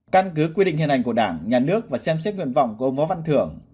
căn cứ quy định hiện hành của đảng nhà nước và xem xét nguyện vọng của ông võ văn thưởng